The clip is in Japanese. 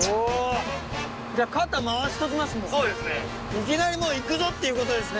いきなりもう行くぞっていうことですね。